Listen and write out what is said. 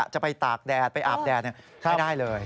จะไปตากแดดไปอาบแดดเนี่ยใช่ได้เลย